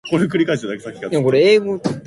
He ultimately did not play with the final team.